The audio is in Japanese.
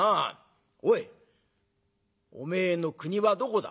おいおめえの国はどこだ？